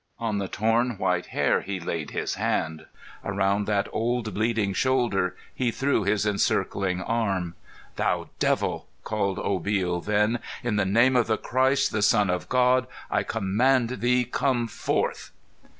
On the torn white hair he laid his hand. Around that old bleeding shoulder he threw his encircling arm. "Thou devil!" called Obil then. "In the name of the Christ, the Son of God, I command thee, come forth!"